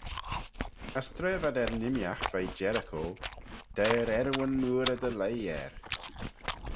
As tra v'ad er nimmeeaght veih Jericho, deiyr earrooyn mooarey dy leih er.